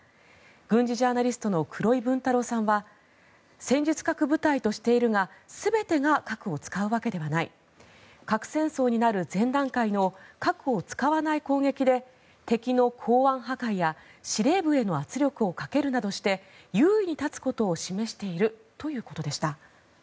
軍事ジャーナリストの黒井文太郎さんは戦術核部隊としているが全てが核を使うわけではない核戦争になる前段階の核を使わない攻撃で敵の港湾破壊や司令部への圧力をかけるなどして優位に立つことを示しているということでした。